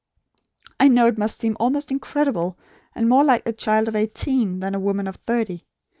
I know it must seem almost incredible, and more like a child of eighteen, than a woman of thirty.